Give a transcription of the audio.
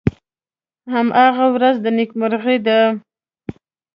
هماغه ورځ د نیکمرغۍ ده .